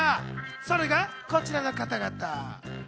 それがこちらの方々。